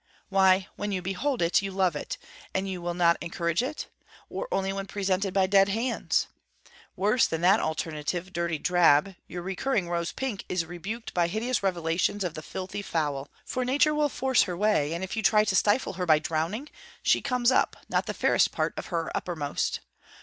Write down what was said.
Why, when you behold it you love it and you will not encourage it? or only when presented by dead hands? Worse than that alternative dirty drab, your recurring rose pink is rebuked by hideous revelations of the filthy foul; for nature will force her way, and if you try to stifle her by drowning, she comes up, not the fairest part of her uppermost!